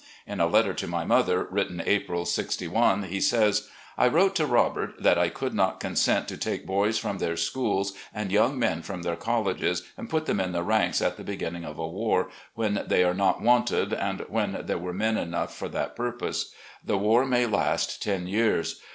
In a letter to my mother written April, '6i, he says: " I wrote to Robert that I could not consent to take boys from their schools and young men from their colleges and put them in the ranks at the beginning of a war, when they are not wanted and when there were men enough for that ptupose. The war may last ten years.